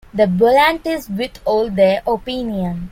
The Bollandists withhold their opinion.